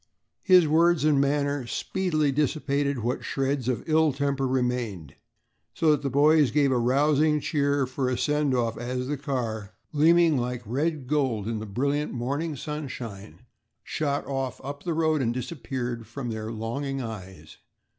His words and manner speedily dissipated what shreds of ill temper remained, so that the boys gave a rousing cheer for a send off as the car, gleaming like red gold in the brilliant morning sunshine, shot off up the road and disappeared from their longing eyes.